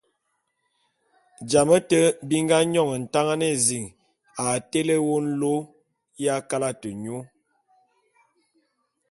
Jame té bi nga nyòn Ntangan ézin a tele wô nlô ya kalate nyô.